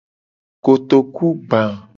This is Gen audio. Kotoku gba.